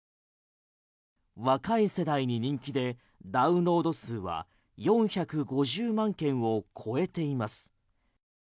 若い世代に人気でダウンロード数は４５０万件を超えています。